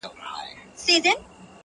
زه به راځمه خامخا راځمه -